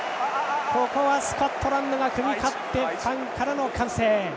ここはスコットランドが組み勝ってファンからの歓声。